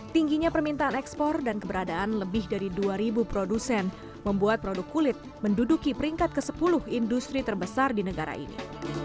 tingginya permintaan ekspor dan keberadaan lebih dari dua produsen membuat produk kulit menduduki peringkat ke sepuluh industri terbesar di negara ini